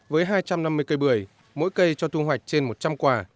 với hai trăm năm mươi cây bưởi mỗi cây cho thu hoạch trên một trăm linh quả